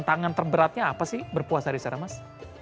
tantangan terberatnya apa sih berpuasa di sana mas